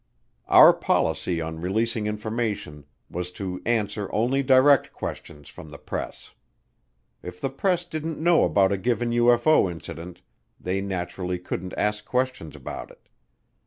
Our policy on releasing information was to answer only direct questions from the press. If the press didn't know about a given UFO incident, they naturally couldn't ask questions about it.